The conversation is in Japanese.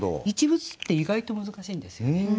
「一物」って意外と難しいんですよね。